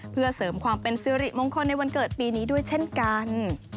เพื่อเสริมความเป็นสิริมงคลในวันเกิดปีนี้ด้วยเช่นกัน